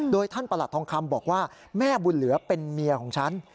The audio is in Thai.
โดยท่านประหลัดทองคำบอกว่าแม่บุญเหลือเป็นเมียของฉัน